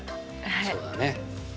そうだね。